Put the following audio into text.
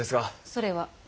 それは？